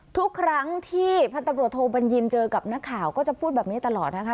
ทุกครั้งที่พันธบริโภคโบราณยินเจอกับหน้าข่าวก็จะพูดแบบนี้ตลอดนะคะ